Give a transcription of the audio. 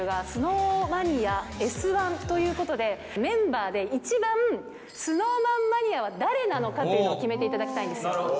今回のアルバムのタイトルがスノーマニアＳ１ということで、メンバーで一番、ＳｎｏｗＭａｎマニアは誰なのかというのを、決めていただきたいんですよ。